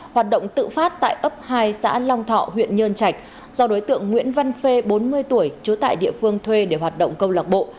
hoạt động tự phát tại ấp hai xã long thọ huyện nhơn trạch do đối tượng nguyễn văn phê bốn mươi tuổi trú tại địa phương thuê để hoạt động câu lạc bộ